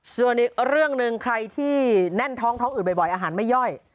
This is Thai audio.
ส่วนอีกเรื่องหนึ่งใครที่แน่นท้องท้องอืดบ่อยอาหารไม่ย่อย